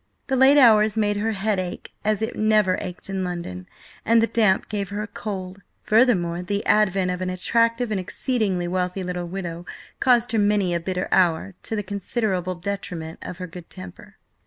The late hours made her head ache as it never ached in London, and the damp gave her a cold. Furthermore, the advent of an attractive and exceedingly wealthy little widow caused her many a bitter hour, to the considerable detriment of her good temper.